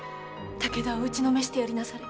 武田を打ちのめしてやりなされ。